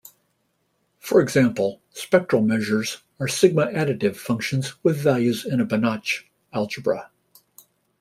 For example, spectral measures are sigma-additive functions with values in a Banach algebra.